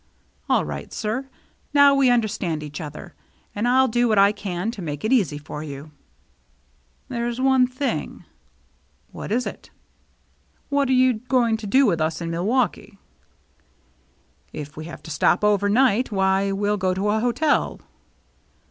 "All right, sir. Now we understand each other. And I'll do what I can to make it easy for you." "There's one thing —" "What is it?" THE CHASE BEGINS 231 "What are you going to do with us in Milwaukee ?"" If we have to stop over night, why, we'll go to a hotel."